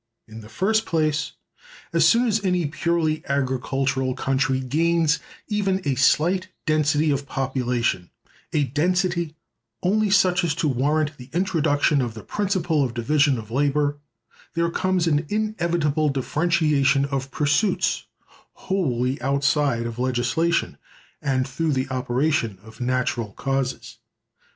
In the first place, as soon as any purely agricultural country gains even a slight density of population—a density only such as to warrant the introduction of the principle of division of labor—there comes an inevitable differentiation of pursuits, wholly outside of legislation, and through the operation of natural causes.